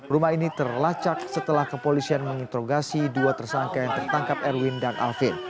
rumah ini terlacak setelah kepolisian menginterogasi dua tersangka yang tertangkap erwin dan alvin